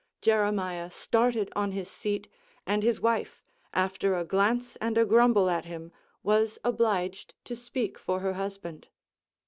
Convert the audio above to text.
Jeremiah started on his seat, and his wife, after a glance and a grumble at him, was obliged to speak for her husband.